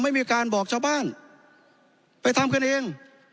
ไม่มีการบอกชาวบ้านไปทำกันเอง